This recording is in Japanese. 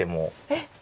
えっ。